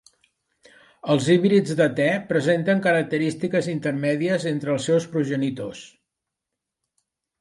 Els híbrids de te presenten característiques intermèdies entre els seus progenitors.